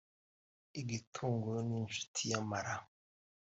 Igitunguru ni inshuti y’amara